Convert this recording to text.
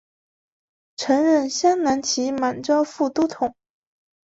曾任镶蓝旗满洲副都统。